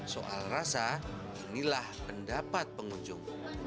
soal rasa inilah pendapat pengunjung